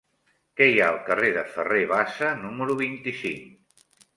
Què hi ha al carrer de Ferrer Bassa número vint-i-cinc?